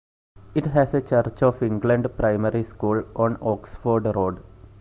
It has a Church of England primary school on Oxford Road.